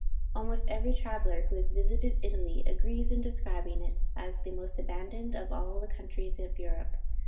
Almost every traveller who has visited Italy, agrees in describing it as the most abandoned of all the countries of Europe.